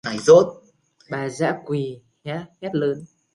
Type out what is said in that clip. Bà dã quỳ hét lớn